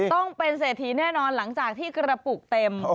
ต้องเป็นเศรษฐีแน่นอนหลังจากที่กระปุกเต็ม